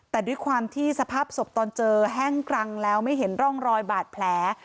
แต่ด้วยความที่สภาพศพตอนเจอแห้งกรังแล้วไม่เห็นร่องรอยบาดแผล